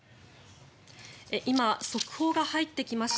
「今速報が入ってきました」